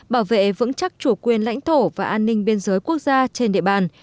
bảo vệ vững chắc chủ quyền lãnh thổ và an ninh biên giới quốc gia trên địa bàn